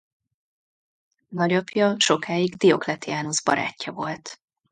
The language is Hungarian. Nagyapja sokáig Diocletianus barátja volt.